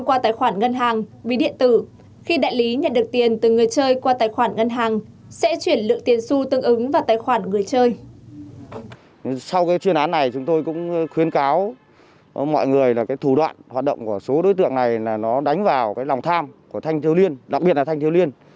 khuyến cáo mọi người là cái thủ đoạn hoạt động của số đối tượng này là nó đánh vào cái lòng tham của thanh thiếu liên đặc biệt là thanh thiếu liên